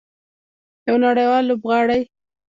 یو نړیوال لوبغاړی.